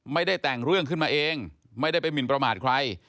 ไม่ได้แต่งเรื่องขึ้นมาเองไม่ได้ไปหมินประมาทใคร